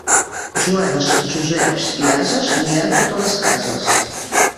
Joans, Joseps i ases n'hi ha en totes les cases.